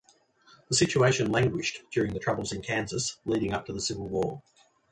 The situation languished during the troubles in Kansas leading up to the Civil War.